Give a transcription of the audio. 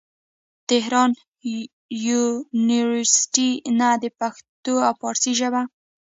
د تهران يونيورسټۍ نه د پښتو او فارسي ژبې